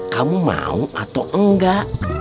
kamu mau atau enggak